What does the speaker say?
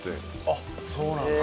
あっそうなんだ。